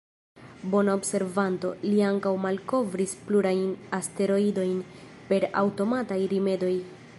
Bona observanto, li ankaŭ malkovris plurajn asteroidojn per aŭtomataj rimedoj.